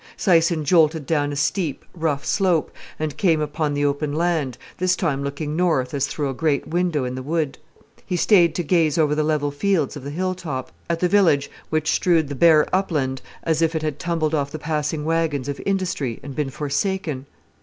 Syson jolted down a steep, rough slope, and came again upon the open land, this time looking north as through a great window in the wood. He stayed to gaze over the level fields of the hill top, at the village which strewed the bare upland as if it had tumbled off the passing waggons of industry, and been forsaken.